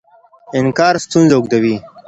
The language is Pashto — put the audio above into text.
انکار ستونزه اوږدوي.